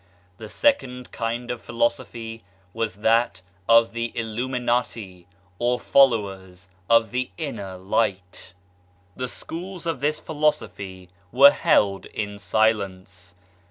The second kind of Philosophy was that of the Illuminati, or followers of the Inner Light. The schools of this Philosophy were held in silence.